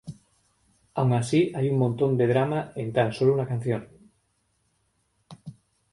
Aun así, hay un montón de drama en tan solo una canción.